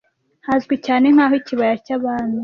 hazwi cyane nk'aho Ikibaya cy'Abami